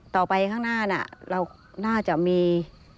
ไปข้างหน้าเราน่าจะมี